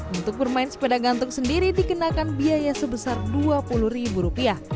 untuk bermain sepeda gantung sendiri dikenakan biaya sebesar dua puluh ribu rupiah